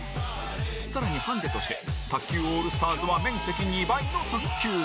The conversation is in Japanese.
更にハンデとして卓球オールスターズは面積２倍の卓球台